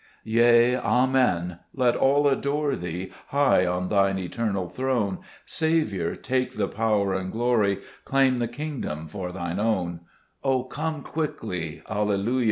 Yea, Amen ! let all adore Thee, High on Thine eternal throne : Saviour, take the power and glory ; Claim the kingdom for Thine own O come quickly ; Alleluia